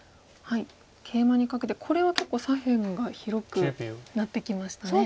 ケイマにカケてこれは結構左辺が広くなってきましたね。